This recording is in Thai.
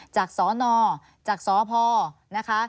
จากสนจากสพนะคะ